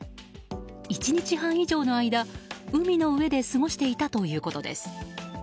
１日半以上の間、海の上で過ごしていたということです。